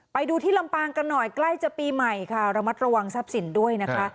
ไปดูที่ลำปางกันหน่อยใกล้จะปีใหม่ค่ะระมัดระวังทรัพย์สินด้วยนะคะ